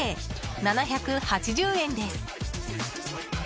７８０円です。